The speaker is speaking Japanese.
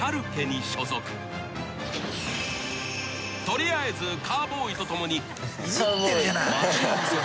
［取りあえずカウボーイとともに］